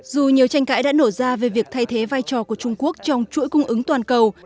dù nhiều tranh cãi đã nổ ra về việc thay thế vai trò của trung quốc trong chuỗi cung ứng toàn cầu